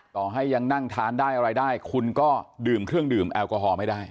ต่อให้ยังนั่งทานได้อะไรได้คุณก็ดื่มเครื่องดื่มแอลกอฮอล์ไม่ได้